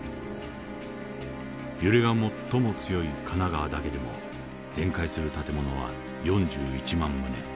揺れが最も強い神奈川だけでも全壊する建物は４１万棟。